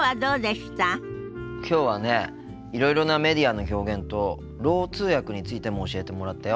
きょうはねいろいろなメディアの表現とろう通訳についても教えてもらったよ。